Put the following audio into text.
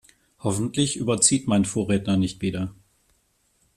Hoffentlich überzieht mein Vorredner nicht wieder.